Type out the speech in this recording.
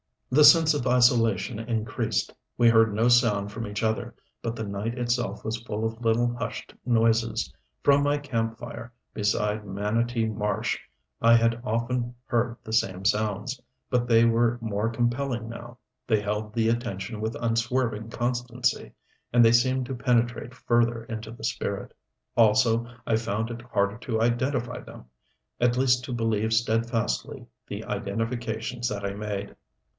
The sense of isolation increased. We heard no sound from each other, but the night itself was full of little, hushed noises. From my camp fire beside Manatee Marsh I had often heard the same sounds, but they were more compelling now, they held the attention with unswerving constancy, and they seemed to penetrate further into the spirit. Also I found it harder to identify them at least to believe steadfastly the identifications that I made.